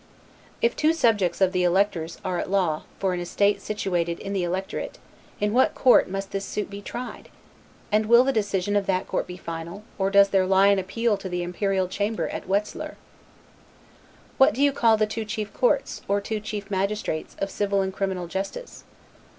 If two subjects of the elector's are at law, for an estate situated in the electorate, in what court must this suit be tried? and will the decision of that court be final, or does there lie an appeal to the imperial chamber at Wetzlaer? What do you call the two chief courts, or two chief magistrates, of civil and criminal justice?